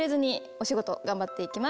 お仕事頑張っていきます。